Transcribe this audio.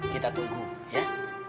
kita tunggu ya